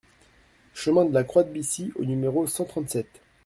Chemin de la Croix de Bissy au numéro cent trente-sept